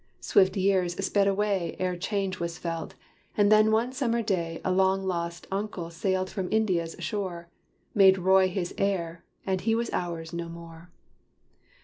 Swift years sped away Ere change was felt: and then one summer day A long lost uncle sailed from India's shore Made Roy his heir, and he was ours no more.